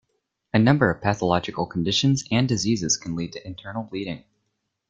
A number of pathological conditions and diseases can lead to internal bleeding.